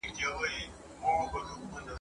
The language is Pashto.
چي د ټروبر باند د ټاپوګانو په وحشیانو کي